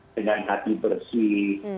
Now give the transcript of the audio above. dengan hati bersih